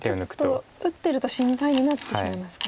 ちょっと打ってると心配になってしまいますか？